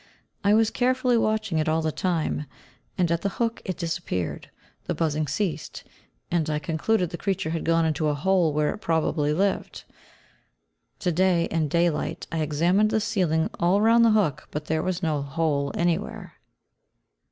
I was carefully watching it all the time, and at the hook it disappeared, the buzzing ceased, and I concluded the creature had gone into a hole where it probably lived. To day, in daylight, I examined the ceiling all round the hook, but there was no hole anywhere.